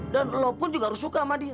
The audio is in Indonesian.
dan lo pun juga harus suka sama dia